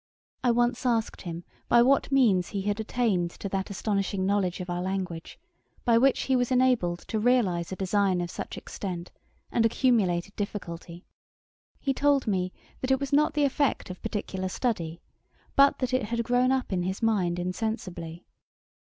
I once asked him by what means he had attained to that astonishing knowledge of our language, by which he was enabled to realise a design of such extent, and accumulated difficulty. He told me, that 'it was not the effect of particular study; but that it had grown up in his mind insensibly.'